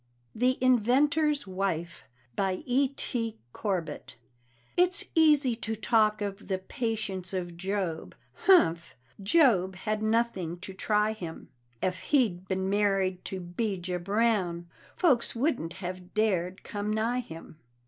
THE INVENTOR'S WIFE. BY E.T. CORBETT. It's easy to talk of the patience of Job. Humph! Job had nothin' to try him; Ef he'd been married to 'Bijah Brown, folks wouldn't have dared come nigh him.